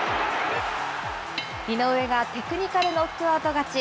井上がテクニカルノックアウト勝ち。